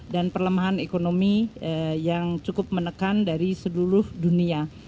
dan perlemahan ekonomi yang cukup menekan dari seluruh dunia